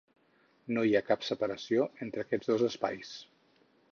No hi ha cap separació entre aquests dos espais.